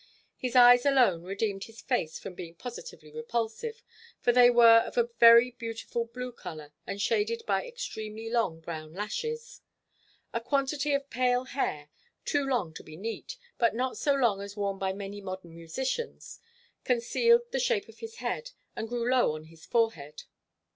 His eyes alone redeemed his face from being positively repulsive, for they were of a very beautiful blue colour and shaded by extremely long brown lashes. A quantity of pale hair, too long to be neat, but not so long as worn by many modern musicians, concealed the shape of his head and grew low on his forehead.